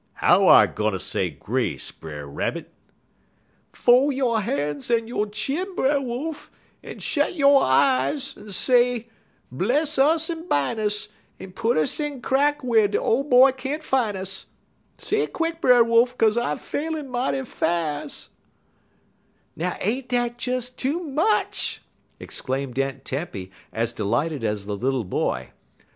"'How I gwine say grace, Brer Rabbit?' "'Fol' yo' han's und' yo' chin, Brer Wolf, en shet yo' eyes, en say: "Bless us en bine us, en put us in crack whar de Ole Boy can't fine us." Say it quick, Brer Wolf, 'kaze I failin' mighty fas'.'" "Now ain't dat des too much!" exclaimed Aunt Tempy, as delighted as the little boy.